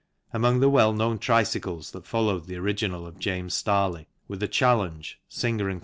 Among the well known tricycles that followed the original of James Starley were the Challenge (Singer & Co.)